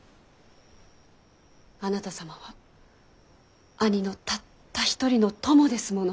あなた様は兄のたった一人の友ですもの。